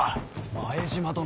前島殿。